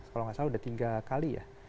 kalau nggak salah udah tiga kali ya